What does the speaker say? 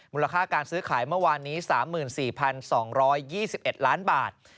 มูลค่าการซื้อขายเมื่อวานนี้๓๔๒๒๑ล้านบาท